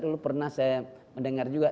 dulu pernah saya mendengar juga